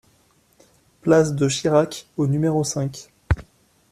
Place de Chirac au numéro cinq